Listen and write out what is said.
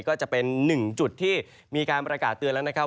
ก็จะเป็นหนึ่งจุดที่มีการประกาศเตือนแล้วนะครับ